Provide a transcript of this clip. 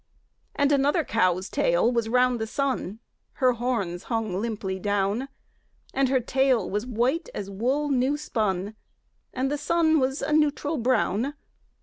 And another cow's tail was round the sun (Her horns hung limply down); And her tail was white as wool new spun, And the sun was a neutral brown.